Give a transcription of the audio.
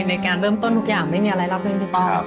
ในการเริ่มต้นทุกอย่างไม่มีอะไรรับเรื่องถูกต้อง